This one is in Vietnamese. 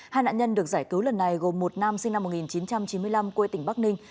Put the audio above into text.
hai nạn nhân được giải cứu lần này gồm một nam sinh năm một nghìn chín trăm chín mươi năm quê tỉnh bắc ninh